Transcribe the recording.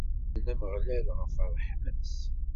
Ḥemden Ameɣlal ɣef ṛṛeḥma-s.